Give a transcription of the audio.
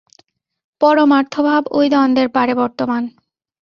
পরমার্থভাব ঐ দ্বন্দ্বের পারে বর্তমান।